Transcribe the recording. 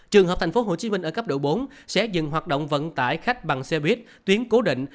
trường hợp tp hcm ở cấp độ bốn sẽ dừng hoạt động vận tải khách bằng xe buýt tuyến cố định